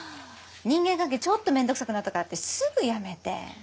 人間関係ちょっとめんどくさくなったからってすぐ辞めて。